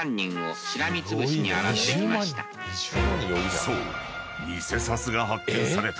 ［そう］